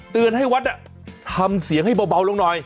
ให้วัดทำเสียงให้เบาลงหน่อย